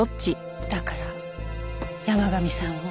だから山神さんを。